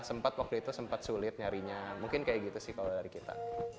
sempat waktu itu sempat sulit nyarinya mungkin kayak gitu sih kalau dari kita